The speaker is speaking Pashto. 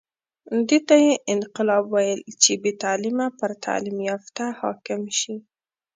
دې ته یې انقلاب ویل چې بې تعلیمه پر تعلیم یافته حاکم شي.